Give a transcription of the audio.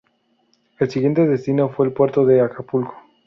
El siguiente destino fue el puerto de Acapulco.